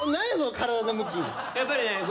やっぱりね